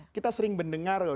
kita sering mendengar loh